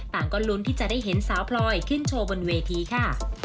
ก็ลุ้นที่จะได้เห็นสาวพลอยขึ้นโชว์บนเวทีค่ะ